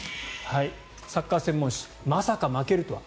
サッカー専門誌まさか負けるとは。